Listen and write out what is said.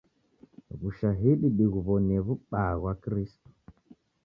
W'ushahidi dighuwonie w'ubaa ghwa Kristo.